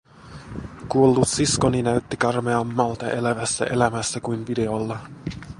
Kuollut siskoni näytti karmeammalta elävässä elämässä kuin videolla.